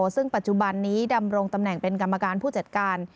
ซึ่งปัจจุบันนี้ดำรงตำแหน่งเป็นกรรมการผู้จัดการ